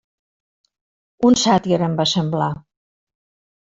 Un sàtir, em va semblar.